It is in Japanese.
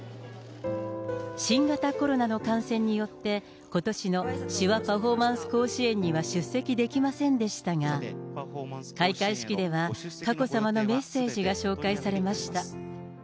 新型コロナの感染によってことしの手話パフォーマンス甲子園には出席できませんでしたが、開会式では佳子さまのメッセージが紹介されました。